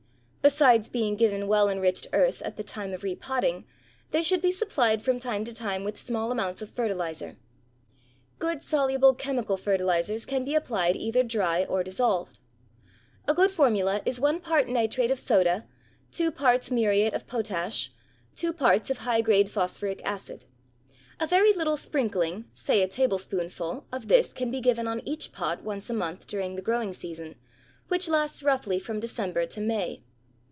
Besides being given well enriched earth at the time of repotting, they should be supplied from time to time with small amounts of fertilizer. Good soluble chemical fertilizers can be applied either dry or dissolved. A good formula is one part nitrate of soda, two parts of muriate of potash, two parts of high grade phosphoric acid. A very little sprinkling, say a tablespoonful, of this can be given on each pot once a month during the growing season which lasts roughly from December to May.